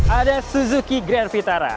ada suzuki grand vitara